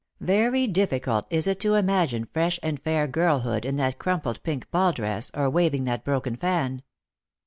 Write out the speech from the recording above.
Yery difficult is it to imagine fresh and fair girlhood in that crumpled pink ball dress, or waving that broken fan.